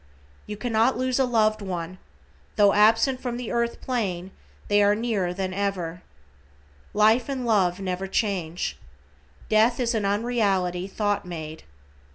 You cannot lose a loved one, tho absent from the earth plane they are nearer than ever. Life and love never change. Death is an unreality thought made.